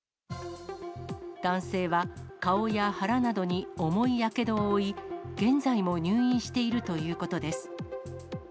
男性は、顔や腹などに重いやけどを負い、現在も入院しているということです。